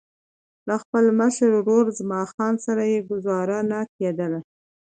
له خپل مشر ورور زمان خان سره یې ګوزاره نه کېدله.